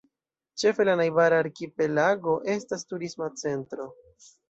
Ĉefe la najbara arkipelago estas turisma centro.